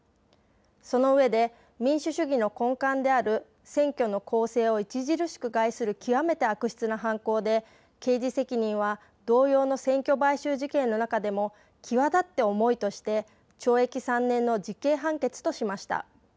そのうえで民主主義の根幹である選挙の公正を著しく害する極めて悪質な犯行で刑事責任は同様の選挙買収事件の中でも際立って重いとして懲役３年の実刑判決としました。